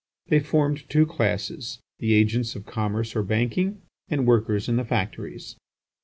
They formed two classes, the agents of commerce or banking, and workers in the factories.